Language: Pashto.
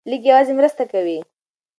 لیک یوازې مرسته کوي.